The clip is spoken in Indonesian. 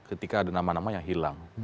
ketika ada nama nama yang hilang